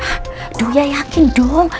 hah duya yakin dong